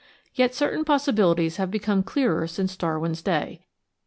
Yet certain possibilities have become clearer since Darwin's day.